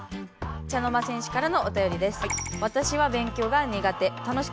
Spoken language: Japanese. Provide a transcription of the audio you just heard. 茶の間戦士からのおたよりです。